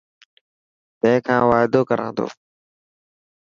تين کان وعدو ڪران تو.